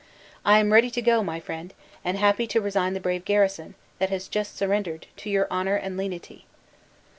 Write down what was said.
I am ready to go, my friend, and happy to resign the brave garrison, that has just surrendered, to your honor and lenity."